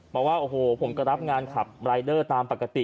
บอกว่าโอ้โหผมก็รับงานขับรายเดอร์ตามปกติ